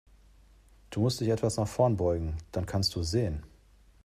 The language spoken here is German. Du musst dich etwas nach vorn beugen, dann kannst du es sehen.